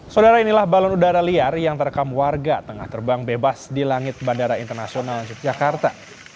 saudara inilah balon udara liar yang terekam warga tengah terbang bebas di langit bandara internasional yogyakarta